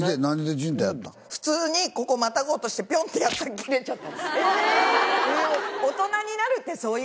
普通にここまたごうとしてピョンってやったら切れちゃった。